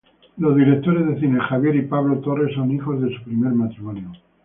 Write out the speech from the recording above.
Los directores de cine Javier y Pablo Torre son hijos de su primer matrimonio.